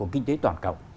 kinh tế toàn cộng